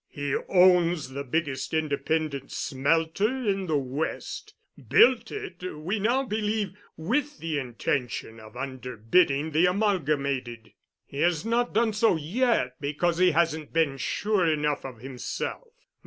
He owns the biggest independent smelter in the West—built it, we now believe, with the intention of underbidding the Amalgamated. He has not done so yet because he hasn't been sure enough of himself.